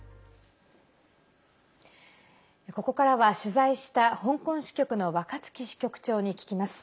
ここからは取材した香港支局の若槻支局長に聞きます。